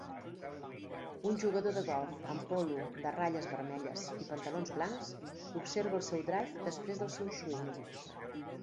Un jugador de golf amb polo de ratlles vermelles i pantalons blancs observa el seu drive després del seu swing.